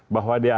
bahwa dia akan